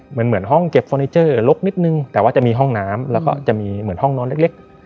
เหมือนห้องเก็บฟอร์นิเจอร์ลกนิดนึงแต่ว่าจะมีห้องน้ำแล้วก็จะมีเหมือนห้องนอนเล็ก